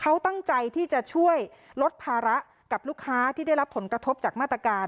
เขาตั้งใจที่จะช่วยลดภาระกับลูกค้าที่ได้รับผลกระทบจากมาตรการ